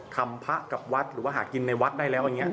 พระกับวัดหรือว่าหากินในวัดได้แล้วอย่างนี้